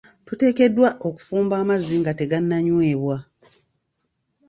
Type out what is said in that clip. Tuteekeddwa okufumba amazzi nga tegananyweebwa.